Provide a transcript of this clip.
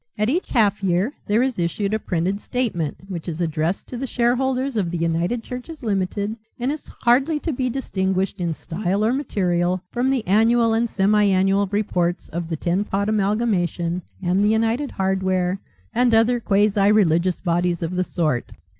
At each half year there is issued a printed statement which is addressed to the shareholders of the United Churches Limited and is hardly to be distinguished in style or material from the annual and semi annual reports of the Tin Pot Amalgamation and the United Hardware and other quasi religious bodies of the sort.